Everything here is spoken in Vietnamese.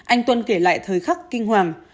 anh tuân kể lại thời khắc kinh hoàng